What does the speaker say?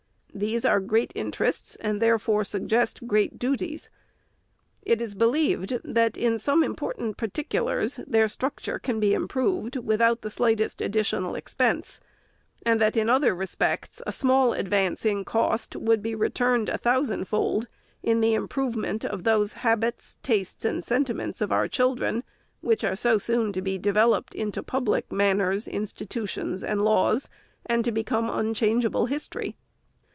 These are great interests, and therefore suggest great duties. It is believed, that, in some important par ticulars, their structure can be improved, without the slightest additional expense ; and that, in other respects, a small advance in cost would be returned a thousand fold in the improvement of those habits, tastes, and senti ments of our children, which are so soon to be developed into public manners, institutions, and laws, and to become unchangeable history."